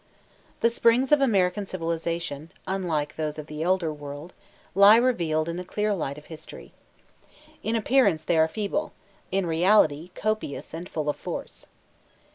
The springs of American civilization, unlike those of the elder world, lie revealed in the clear light of History. In appearance they are feeble; in reality, copious and full of force.